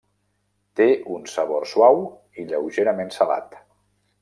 Té un sabor suau i lleugerament salat.